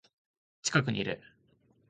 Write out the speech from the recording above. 近くにいる